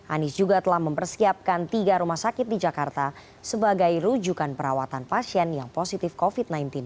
anies juga telah mempersiapkan tiga rumah sakit di jakarta sebagai rujukan perawatan pasien yang positif covid sembilan belas